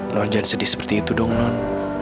nona jangan sedih seperti itu dong non